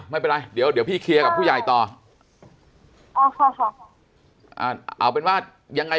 ไม่เป็นไรเดี๋ยวเดี๋ยวพี่เคลียร์กับผู้ใหญ่ต่ออ๋อค่ะอ่าเอาเป็นว่ายังไง